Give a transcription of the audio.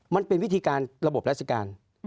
มันเป็นวิธีการระบบราชการ